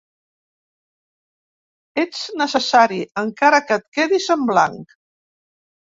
Ets necessari, encara que et quedis en blanc.